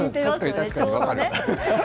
確かに分かる。